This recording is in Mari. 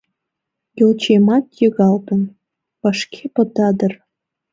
Йолчиемат, йыгалтын, вашке пыта дыр.